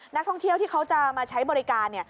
นักท่องเที่ยวที่เขาจะมาใช้บริการ